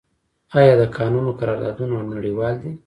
آیا د کانونو قراردادونه نړیوال دي؟